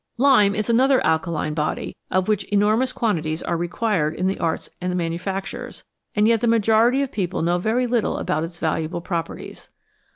Lime is another alkaline body, of which enormous quantities are required in the arts and manufactures, and yet the majority of people know very little about its valuable properties.